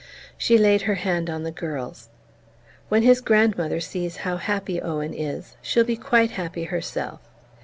She laid her hand on the girl's. "When his grandmother sees how happy Owen is she'll be quite happy herself.